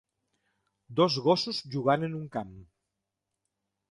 Dos gossos jugant en un camp.